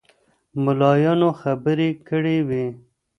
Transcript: ملایانو خبرې کړې وې.